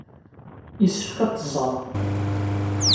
Yessefk ad t-ẓreɣ.